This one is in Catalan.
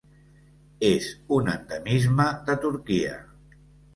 És un endemisme de Turquia.